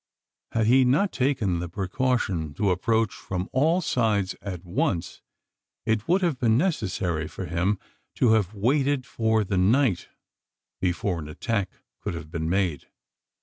Had he not taken the precaution to approach from all sides at once, it would have been necessary for him to have waited for the night, before an attack could have been made.